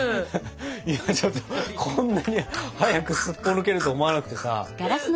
今ちょっとこんなに早くすっぽ抜けると思わなくてさ。